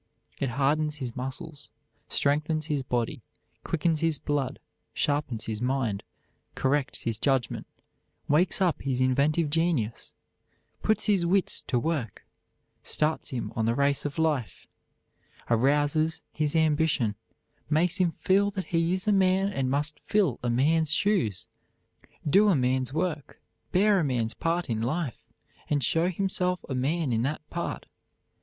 It hardens his muscles, strengthens his body, quickens his blood, sharpens his mind, corrects his judgment, wakes up his inventive genius, puts his wits to work, starts him on the race of life, arouses his ambition, makes him feel that he is a man and must fill a man's shoes, do a man's work, bear a man's part in life, and show himself a man in that part.